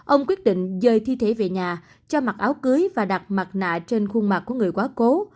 ông quyết định dơi thi thể về nhà cho mặc áo cưới và đặt mặt nạ trên khuôn mặt của người quá cố